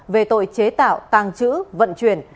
về tội chế tạo tàng trữ vận chuyển